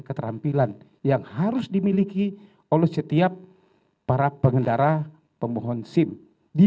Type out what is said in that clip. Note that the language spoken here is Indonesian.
keterampilan yang harus dimiliki oleh setiap para pengendara pemohon sim di